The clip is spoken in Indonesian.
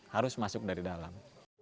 harus masuk dari dalam